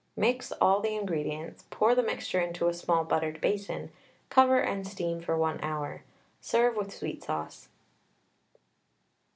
Mix all the ingredients, pour the mixture into a small buttered basin, cover and steam for 1 hour. Serve with sweet sauce.